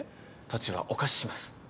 土地はお貸しします。